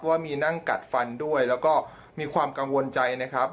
ว่ามีนั่งกัดฟันด้วยแล้วก็มีความกังวลใจนะครับ